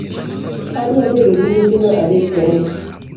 Adwa bedo gi nyithindo adek kende.